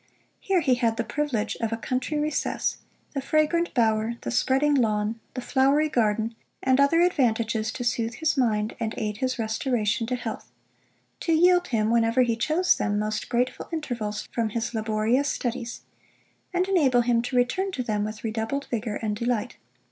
Here he had the privilege of a country recess, the fragrant bower, the spreading lawn, the flowery garden, and other advantages to sooth his mind and aid his restoration to health; to yield him, whenever he chose them, most grateful intervals from his laborious studies, and enable him to return to them with redoubled vigour and delight.